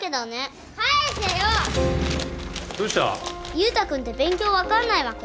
優太くんって勉強わかんないわけ？